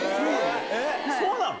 そうなの？